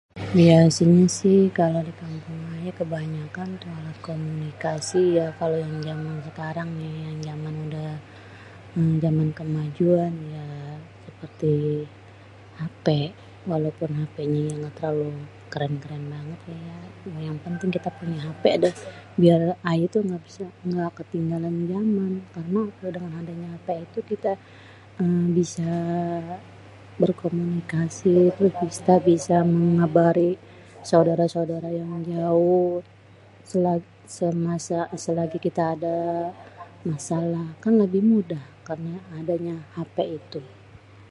Biasényé si kalo dikampung ayé kebanyakan kalau komunikasi ya kalau di zaman sekarang ni yang zaman udéh zaman kemajuan. yaaa... seperti HP walaupun HP nya gak terlalu keren-keren banget yaa yang penting kita punya HP déh biar ayé tuh engga ketinggalan zaman, karena dengan adanya HP itu kita bisa ééé berkomunikasi, kita bisa mengabari sodara-sodara yang jauh selagi kita ada masalah kan lebih mudah karena adanya HP itu.